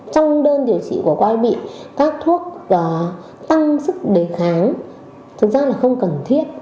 trong đơn điều trị của quay bị các thuốc tăng sức đề kháng thực ra là không cần thiết